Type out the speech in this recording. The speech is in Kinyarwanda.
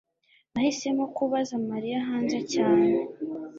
nahisemo kubaza mariya hanze cyane